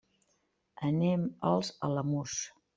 Anem als Alamús.